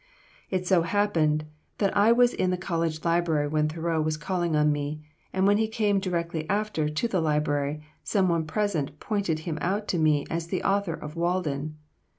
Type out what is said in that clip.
It so happened that I was in the College Library when Thoreau was calling on me, and when he came, directly after, to the Library, some one present pointed him out to me as the author of "Walden."